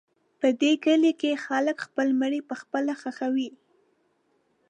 په دې کلي کې خلک خپل مړي پخپله ښخوي.